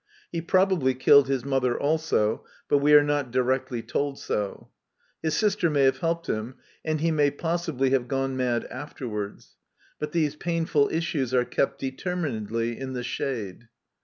He probably killed his mother also ; but we are not directly told so. His sister may have helped him, and he may possibly have gone mad afterwards; but these painfU issues are kept detenninedly in the shade.